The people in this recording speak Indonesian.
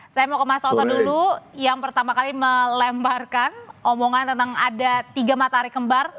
saya mau ke mas oto dulu yang pertama kali melemparkan omongan tentang ada tiga matahari kembar